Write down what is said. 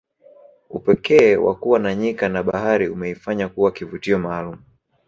upekee wa kuwa na nyika na bahari umeifanya kuwa kivutio maalum